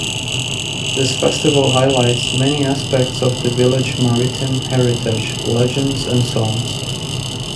This festival highlights many aspects of the village's maritime heritage, legends, and songs.